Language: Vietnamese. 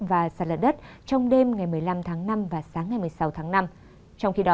và sạt lật đất trong đêm ngày một mươi năm tháng năm và sáng ngày một mươi sáu tháng năm